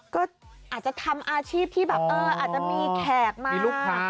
ก็อาจจะทำอาชีพที่แบบเอออาจจะมีแขกมา